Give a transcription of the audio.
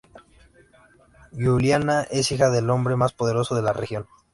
Giuliana es hija del hombre más poderoso de la región.